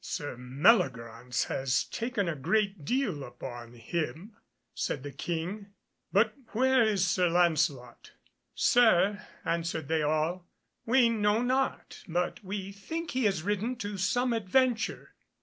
"Sir Meliagraunce has taken a great deal upon him," said the King, "but where is Sir Lancelot?" "Sir," answered they all, "we know not, but we think he has ridden to some adventure."